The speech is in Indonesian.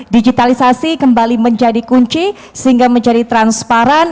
digitalisasi kembali menjadi kunci sehingga menjadi transparan